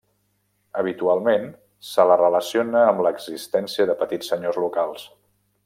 Habitualment se la relaciona amb l'existència de petits senyors locals.